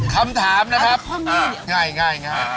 คำถามนะครับง่าย